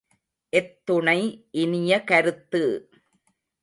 எத்துணை இனிய கருத்து!